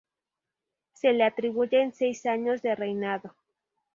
Se le atribuyen seis años de reinado.